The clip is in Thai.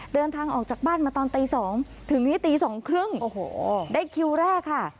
เดินทางออกจากบ้านมาตอนตี๒ถึงนี้ตี๒๓๐ได้คิวแรกค่ะ